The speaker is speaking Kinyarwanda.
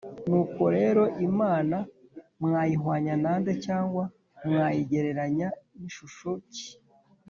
nuko rero imana mwayihwanya na nde, cyangwa mwayigereranya n’ishusho ki?